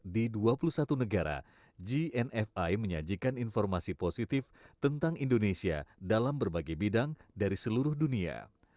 di dua puluh satu negara gnfi menyajikan informasi positif tentang indonesia dalam berbagai bidang dari seluruh dunia